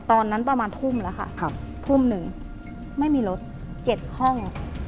ตอนนั้นประมาณทุ่มแล้วค่ะทุ่มหนึ่งไม่มีรถ๗ห้อง